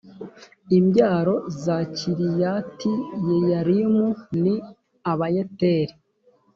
imbyaro za kiriyatiyeyarimu ni abayeteri